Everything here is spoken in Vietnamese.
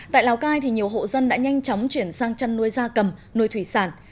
tại lào cai nhiều hộ dân đã nhanh chóng chuyển sang chăn nuôi da cầm nuôi thủy sản